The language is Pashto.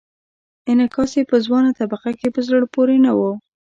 انعکاس یې په ځوانه طبقه کې په زړه پورې نه و.